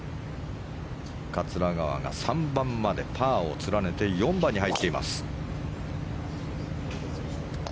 桂川が３番までパーを連ねて４番に入っています。